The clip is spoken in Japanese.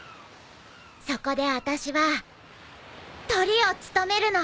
そこであたしはトリを務めるの。